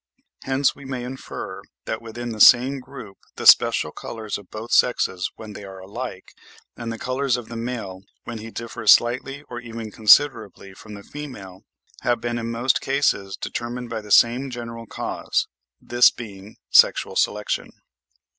Hence we may infer that within the same group the special colours of both sexes when they are alike, and the colours of the male, when he differs slightly or even considerably from the female, have been in most cases determined by the same general cause; this being sexual selection.